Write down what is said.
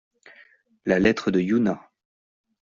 La lettre de Yuna.